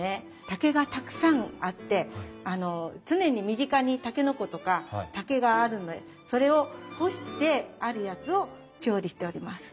竹がたくさんあって常に身近にタケノコとか竹があるんでそれを干してあるやつを調理しております。